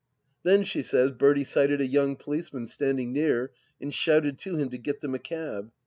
Then, she says, Bertie sighted a young policeman standing near and shouted to him to get them a cab.